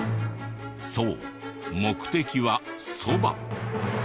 そう目的はそば。